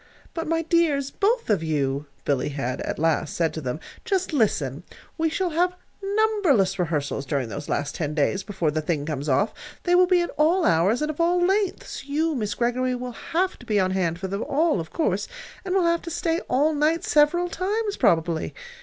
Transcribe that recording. "But, my dears, both of you," Billy had at last said to them; "just listen. We shall have numberless rehearsals during those last ten days before the thing comes off. They will be at all hours, and of all lengths. You, Miss Greggory, will have to be on hand for them all, of course, and will have to stay all night several times, probably.